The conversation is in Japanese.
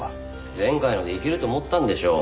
前回のでいけると思ったんでしょう。